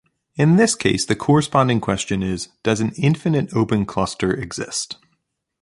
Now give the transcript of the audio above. In this case the corresponding question is: does an infinite open cluster exist?